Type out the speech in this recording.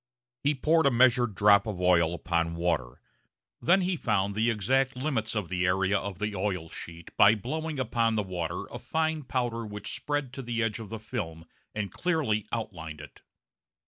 He poured a measured drop of oil upon water. Then he found the exact limits of the area of the oil sheet by blowing upon the water a fine powder which spread to the edge of the film and clearly outlined it.